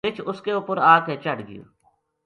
رِچھ اس کے اُپر آ کے چَڑھ گیو